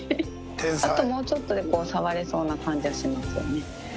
あともうちょっとで触れそうな感じはしますよね。